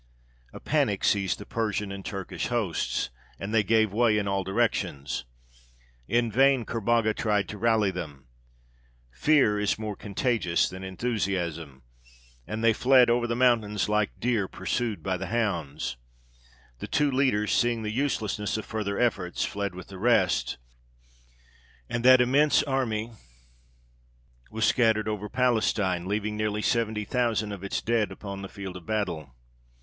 A panic seized the Persian and Turkish hosts, and they gave way in all directions. In vain Kerbogha tried to rally them. Fear is more contagious than enthusiasm, and they fled over the mountains like deer pursued by the hounds. The two leaders, seeing the uselessness of further efforts, fled with the rest; and that immense army was scattered over Palestine, leaving nearly seventy thousand of its dead upon the field of battle.